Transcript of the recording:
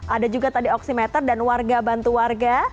ada juga tadi oksimeter dan warga bantu warga